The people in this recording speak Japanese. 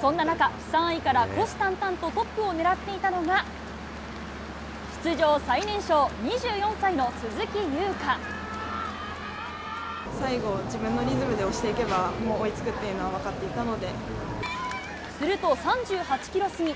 そんな中、３位から虎視たんたんとトップを狙っていたのが、出場最年少、最後、自分のリズムで押していけば、追いつくというのは分かっていたすると３８キロ過ぎ。